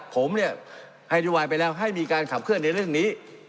ผมเนี่ยให้นโยบายไปแล้วให้มีการขับเคลื่อนในเรื่องนี้